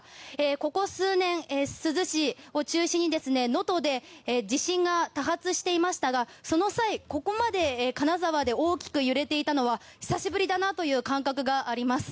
ここ数年、珠洲市を中心に能登で地震が多発していましたがここまで金沢で揺れていたのは久しぶりだなという感覚があります。